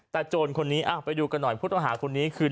แต่โจรคนนี้ไปดูกันหน่อยผู้ต้องหาคนนี้คือ